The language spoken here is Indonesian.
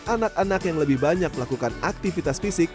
anak anak yang lebih banyak melakukan aktivitas fisik